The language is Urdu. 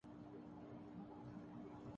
ایسا کچھ نہیں ہونا تھا۔